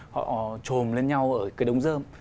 họ trồm lên nhau ở cái đống dơm